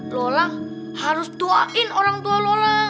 lola harus tuain orang tua lola